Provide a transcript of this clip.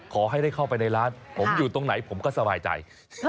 ขอให้ได้เข้าไปในร้านผมอยู่ตรงไหนผมก็สบายใจ